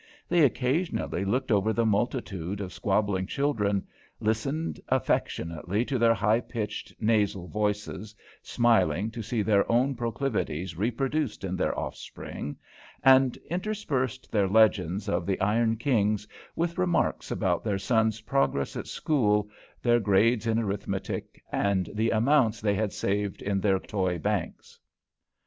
They occasionally looked over the multitude of squabbling children, listened affectionately to their high pitched, nasal voices, smiling to see their own proclivities reproduced in their offspring, and interspersed their legends of the iron kings with remarks about their sons' progress at school, their grades in arithmetic, and the amounts they had saved in their toy banks.